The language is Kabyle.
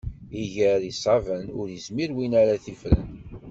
Iger iṣaben, ur izmir win ara t-iffren.